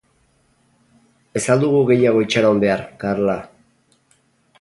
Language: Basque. Ez al dugu gehiago itxaron behar, Karla?